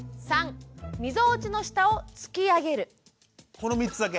この３つだけ？